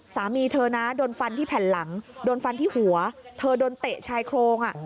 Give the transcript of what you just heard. สามีเธอนะโดนฟันที่แผ่นหลังโดนฟันที่หัวเธอโดนเตะชายโครง